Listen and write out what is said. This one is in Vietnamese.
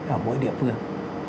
ở mỗi địa phương